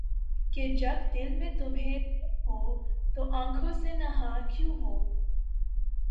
کہ جب دل میں تمھیں تم ہو‘ تو آنکھوں سے نہاں کیوں ہو؟